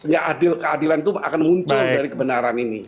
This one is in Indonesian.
ya adil keadilan itu akan muncul dari kebenaran ini